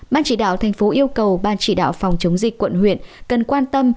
ban chỉ đạo thành phố yêu cầu ban chỉ đạo phòng chống dịch quận huyện cần quan tâm